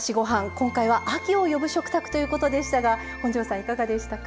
今回は「『秋を呼ぶ』食卓」ということでしたが本上さんいかがでしたか？